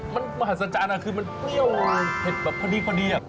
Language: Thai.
มันมหัศจรรย์คือมันเปรี้ยวเผ็ดแบบพอดี